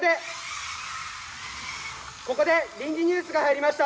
・ここで臨時ニュースが入りました。